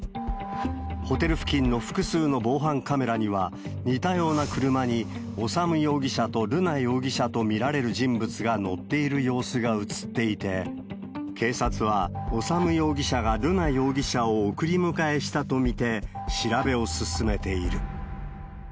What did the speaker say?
ホテル付近の複数の防犯カメラには、似たような車に修容疑者と瑠奈容疑者と見られる人物が乗っている様子が映っていて、警察は、修容疑者が瑠奈容疑者を送り迎えしたと見て、調べを進めている。